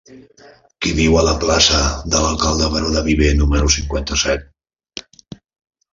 Qui viu a la plaça de l'Alcalde Baró de Viver número cinquanta-set?